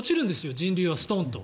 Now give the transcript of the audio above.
人流はストンと。